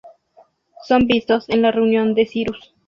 Son vistos en la reunión de Cyrus.